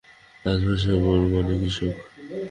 Dutch ভাষায় বোর মানে কৃষক।